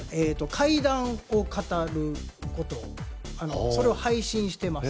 怪談を語ることそれを配信してます